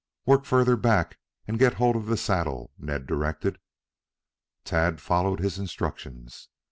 "Work further back and get hold of the saddle," Ned directed. Tad followed his instructions.